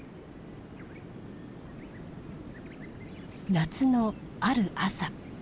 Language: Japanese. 夏のある朝。